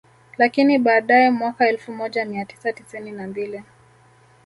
Lakini baadae mwaka elfu moja mia tisa tisini na mbili